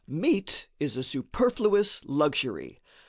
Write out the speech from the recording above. Meat is a superfluous luxury.